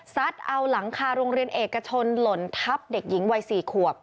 เอาหลังคาโรงเรียนเอกชนหล่นทับเด็กหญิงวัย๔ขวบ